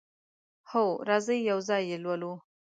هو، راځئ یو ځای یی لولو